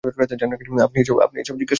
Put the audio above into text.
আপনি এইসব জিজ্ঞেস করছেন কেন?